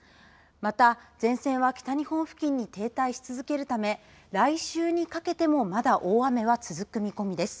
また前線は北日本付近に停滞し続けるため来週にかけても、まだ大雨は続く見込みです。